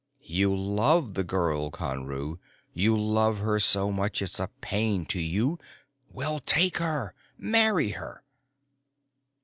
_You love the girl, Conru. You love her so much it's a pain in you. Well, take her! Marry her!